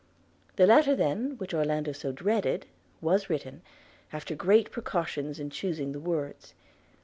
The letter then which Orlando so dreaded, was written, after great precautions in choosing the words.